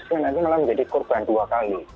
menjadi korban dua kali